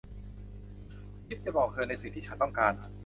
จีฟส์จะบอกเธอในสิ่งที่ฉันต้องการ